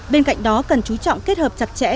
bên cạnh đó cần chú trọng kết hợp chặt chẽ